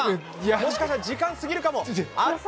もしかしたら時間過ぎるかも。